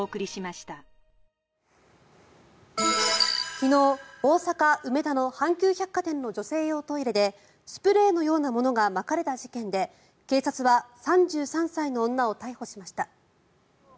昨日、大阪・梅田の阪急百貨店の女性用トイレでスプレーのようなものがまかれた事件で警察は３３歳の女を逮捕しました。